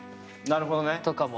なるほどね。